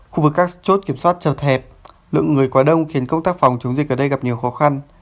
khu vực các chốt kiểm soát chật hẹp lượng người quá đông khiến công tác phòng chống dịch ở đây gặp nhiều khó khăn